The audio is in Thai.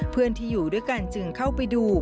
เพื่อนที่อยู่ด้วยกันจึงเข้าไปดู